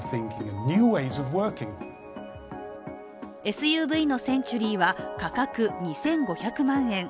ＳＵＶのセンチュリーは価格２５００万円。